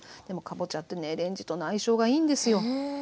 でもかぼちゃってねレンジとの相性がいいんですよ。